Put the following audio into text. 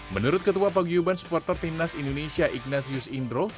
menurut ketua paguyuban supporter timnas indonesia ignatius indro